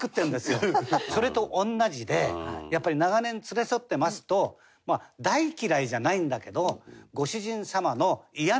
それと同じでやっぱり長年連れ添ってますと大嫌いじゃないんだけどご主人様の嫌なところをね